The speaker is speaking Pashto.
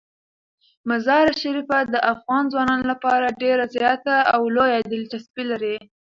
مزارشریف د افغان ځوانانو لپاره ډیره زیاته او لویه دلچسپي لري.